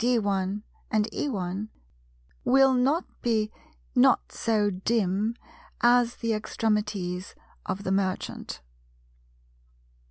D′ and E′, will not be not so dim as the extremities of the Merchant.